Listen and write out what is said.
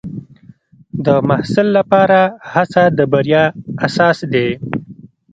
د محصل لپاره هڅه د بریا اساس دی.